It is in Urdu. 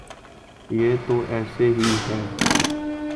یہ تو ایسے ہی ہے۔